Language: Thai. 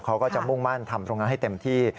เขาก็จะมุ่งมั่นทำตรงนั้นให้เต็มที่